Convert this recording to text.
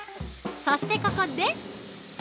そしてここで。